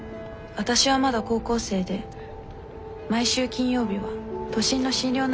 私はまだ高校生で毎週金曜日は都心の心療内科に通ってた。